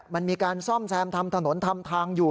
มันมีการซ่อมแซมทำถนนทำทางอยู่